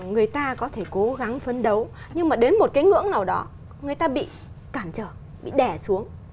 người ta có thể cố gắng phấn đấu nhưng mà đến một cái ngưỡng nào đó người ta bị cản trở bị đẻ xuống